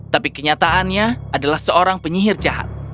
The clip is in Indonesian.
tapi kenyataannya adalah seorang penyihir jahat